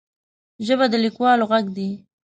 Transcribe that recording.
ژبه د لیکوالو غږ دی